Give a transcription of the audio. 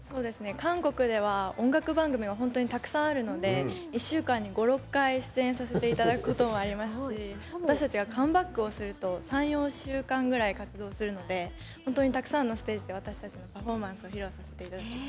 韓国では音楽番組は本当にたくさんあるので１週間に５６回出演させていただくこともありますし私たちがカムバックをすると３４週間ぐらい活動するので本当にたくさんのステージで私たちのパフォーマンスを披露させていただいてます。